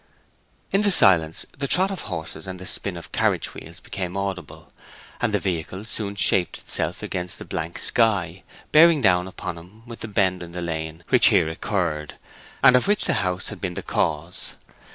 In the silence the trot of horses and the spin of carriage wheels became audible; and the vehicle soon shaped itself against the blank sky, bearing down upon him with the bend in the lane which here occurred, and of which the house had been the cause.